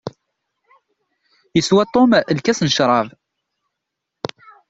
Yeswa Tom lkas n ccrab.